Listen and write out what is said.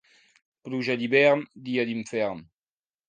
Pluja d'hivern, dia d'infern.